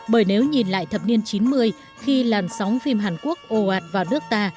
bởi nếu nhìn lại thập niên chín mươi khi làn sóng phim hàn quốc ồ ạt vào nước ta